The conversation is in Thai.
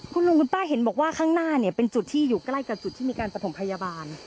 คุณลุงคุณป้าเห็นบอกว่าข้างหน้าเนี่ยเป็นจุดที่อยู่ใกล้กับจุดที่มีการประถมพยาบาล